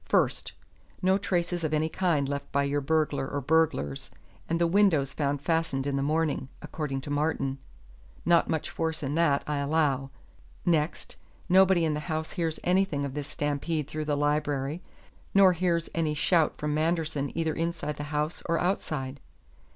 First: no traces of any kind left by your burglar or burglars, and the window found fastened in the morning according to Martin. Not much force in that, I allow. Next: nobody in the house hears anything of this stampede through the library, nor hears any shout from Manderson either inside the house or outside.